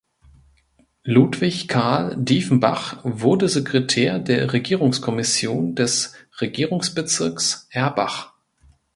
Ludwig Karl Dieffenbach wurde Sekretär der Regierungskommission des Regierungsbezirks Erbach.